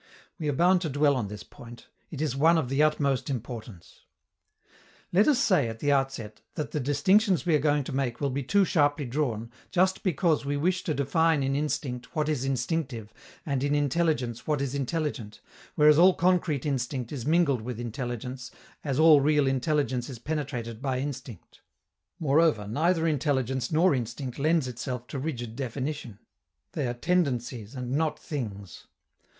We are bound to dwell on this point. It is one of the utmost importance. Let us say at the outset that the distinctions we are going to make will be too sharply drawn, just because we wish to define in instinct what is instinctive, and in intelligence what is intelligent, whereas all concrete instinct is mingled with intelligence, as all real intelligence is penetrated by instinct. Moreover, neither intelligence nor instinct lends itself to rigid definition: they are tendencies, and not things.